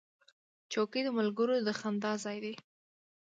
چوکۍ د ملګرو د خندا ځای دی.